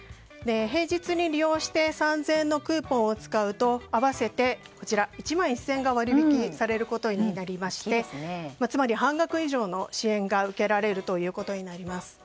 平日に利用して３０００円のクーポンを使うと合わせて１万１０００円が割引されることになりましてつまり半額以上の支援が受けられるということになります。